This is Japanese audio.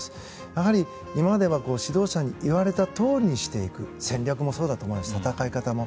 やはり今までは指導者に言われたとおりにしていく戦略もそうだし戦い方も。